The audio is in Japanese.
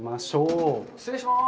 失礼します。